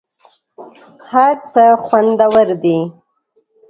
هر څه خوندور دي .